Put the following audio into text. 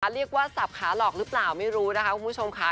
เรียกว่าสับขาหลอกหรือเปล่าไม่รู้นะคะคุณผู้ชมค่ะ